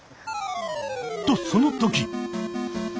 とその時！